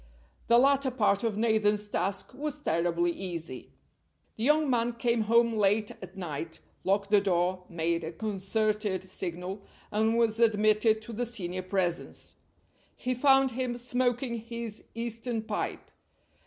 The latter part of Nathan's task was terribly easy. The young man came home late at night, locked the door, made a concerted signal, and was admitted to the senior presence. He found him smoking his Eastern pipe.